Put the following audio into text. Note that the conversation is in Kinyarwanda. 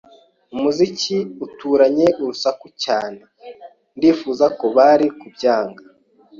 Umuziki uturanye urasakuza cyane. Ndifuza ko bari kubyanga.